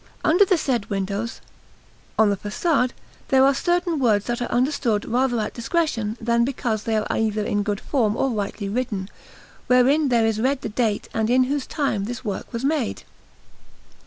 Under the said windows, on the façade, there are certain words that are understood rather at discretion than because they are either in good form or rightly written, wherein there is read the date and in whose time this work was made.